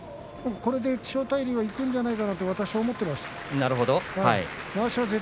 これで千代大龍がいくんじゃないかなと私は思っていました。